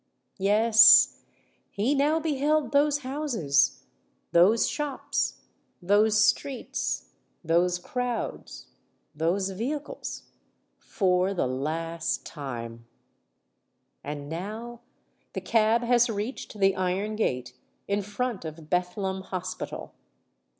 Yes:—he now beheld those houses—those shops—those streets—those crowds—those vehicles—for the last time! And now the cab has reached the iron gate in front of Bethlem Hospital.